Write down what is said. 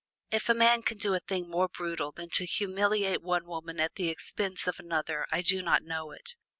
If a man can do a thing more brutal than to humiliate one woman at the expense of another, I do not know it.